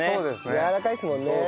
やわらかいですもんね。